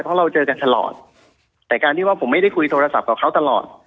เพราะเราเจอกันตลอดแต่การที่ว่าผมไม่ได้คุยโทรศัพท์กับเขาตลอด